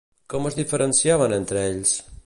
Com es diferenciaven entre ells?